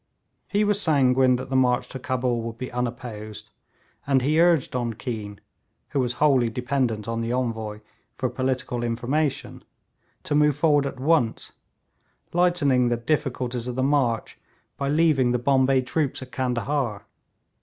He was sanguine that the march to Cabul would be unopposed, and he urged on Keane, who was wholly dependent on the Envoy for political information, to move forward at once, lightening the difficulties of the march by leaving the Bombay troops at Candahar.